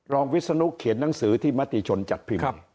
วิศนุเขียนหนังสือที่มติชนจัดพิมพ์